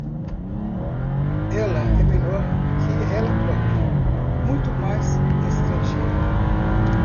Ela é melhor que ela própria, muito mais estrangeira.